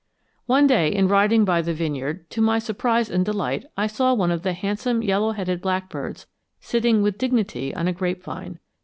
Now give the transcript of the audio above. ] One day in riding by the vineyard, to my surprise and delight I saw one of the handsome yellow headed blackbirds sitting with dignity on a grape vine.